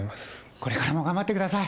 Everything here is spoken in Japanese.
これからも頑張ってください。